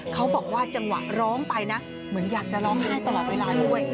เขาบอกว่าจังหวะร้องไปนะเหมือนอยากจะร้องไห้ตลอดเวลาด้วย